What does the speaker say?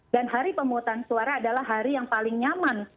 dan hari pemutusan suara adalah hari yang paling nyaman